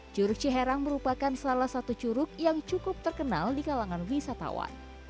curug ciharang merupakan salah satu curug yang cukup terkenal di kalangan wisatawan